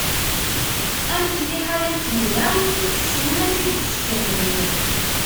Amek, liḥala n tegnawt tessnem ad tt-id-tesfehmem.